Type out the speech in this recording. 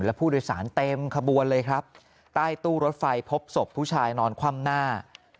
และผู้โดยสารเต็มขบวนเลยครับใต้ตู้รถไฟพบศพผู้ชายนอนคว่ำหน้า